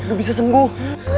lo bisa sembuh